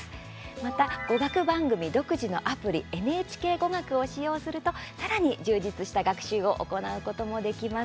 また、語学番組独自のアプリ「ＮＨＫゴガク」を使用するとさらに充実した学習を行うこともできます。